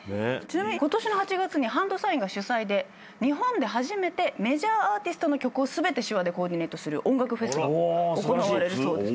ちなみにことしの８月にＨＡＮＤＳＩＧＮが主催で日本で初めてメジャーアーティストの曲を全て手話でコーディネートする音楽フェスが行われるそうです。